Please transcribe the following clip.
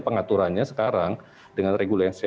pengaturannya sekarang dengan regulasi